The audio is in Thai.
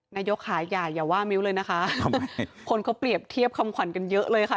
นายกขายใหญ่อย่าว่ามิ้วเลยนะคะคนเขาเปรียบเทียบคำขวัญกันเยอะเลยค่ะ